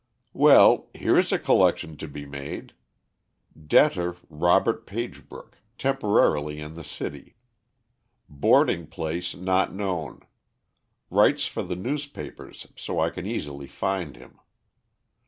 "Well, here's a collection to be made. Debtor, Robert Pagebrook, temporarily in the city. Boarding place not known. Writes for the newspapers, so I can easily find him.